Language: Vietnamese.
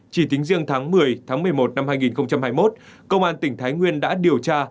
chỉ tính riêng tháng một mươi tháng một mươi một năm hai nghìn hai mươi một công an tỉnh thái nguyên đã điều tra